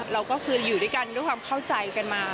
เราก็คืออยู่ด้วยกันด้วยความเข้าใจกันมา